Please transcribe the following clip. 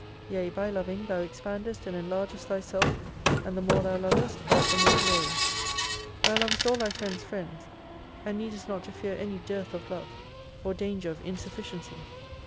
Yea by loving thou expandest and enlargest thyself, and the more thou lovest art the more glorious. Thou lovest all thy friends* friends ; and necdQst not to fear any dearth of love or S4 danger of insufficiency.